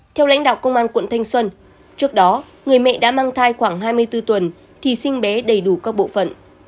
theo lãnh đạo công an quận thanh xuân trước đó người mẹ đã mang thai khoảng hai mươi bốn tuần thì sinh bé đầy đủ các bộ phận